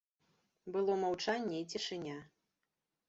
Было маўчанне і цішыня.